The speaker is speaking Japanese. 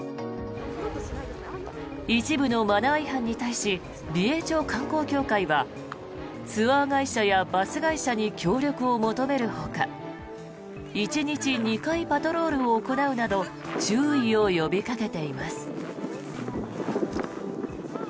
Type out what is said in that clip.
一部のマナー違反に対し美瑛町観光協会はツアー会社やバス会社に協力を求めるほか１日２回パトロールを行うなど注意を呼びかけています。